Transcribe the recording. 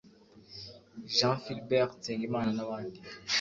Jean Philbert Nsengimana n’abandi